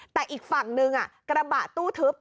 แต่อีกฝั่งนึงกระบะตู้ทึบ